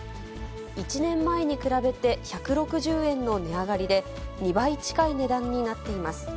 １年前に比べて１６０円の値上がりで、２倍近い値段になっています。